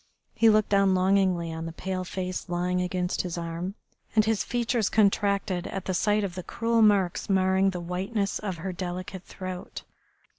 He looked down longingly on the pale face lying against his arm, and his features contracted at the sight of the cruel marks marring the whiteness of her delicate throat.